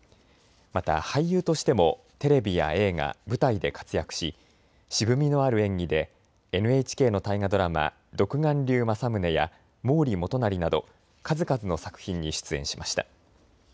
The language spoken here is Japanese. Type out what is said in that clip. また俳優としてもテレビや映画、舞台で活躍し渋みのある演技でＮＨＫの大河ドラマ、独眼竜政宗や毛利元就など数々の作品に出演しました。